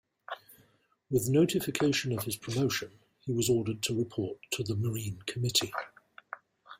With notification of his promotion he was ordered to report to the Marine Committee.